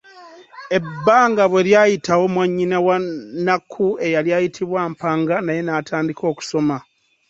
Ebbanga bwe lyayitawo mwannyina wa Nnakku eyali ayitibwa Mpanga naye naatandika okusoma.